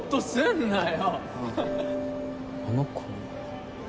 あの子？